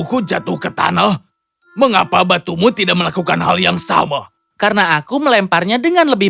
aku jatuh ke tanah mengapa batumu tidak melakukan hal yang sama karena aku melemparnya dengan lebih